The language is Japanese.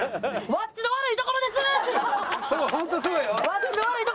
ワッチの悪いところですわ。